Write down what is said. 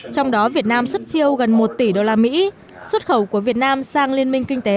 trong đó việt nam xuất siêu gần một tỷ đô la mỹ xuất khẩu của việt nam sang liên minh kinh tế